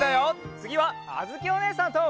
つぎはあづきおねえさんと！